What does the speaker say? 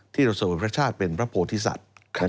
ที่เราเสด็จพระชาติเป็นพระโพธิสัตว์